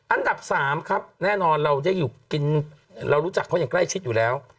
อันดับ๓ครับแน่นอนเรารู้จักเขาอย่างใกล้ชิดอยู่แล้ว